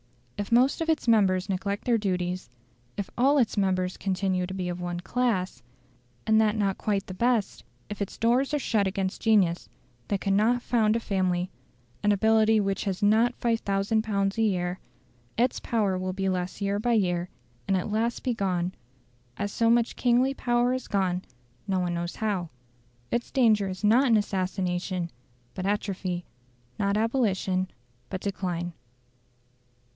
If most of its members neglect their duties, if all its members continue to be of one class, and that not quite the best; if its doors are shut against genius that cannot found a family, and ability which has not 5000 pounds a year, its power will be less year by year, and at last be gone, as so much kingly power is gone no one knows how. Its danger is not in assassination, but atrophy; not abolition, but decline.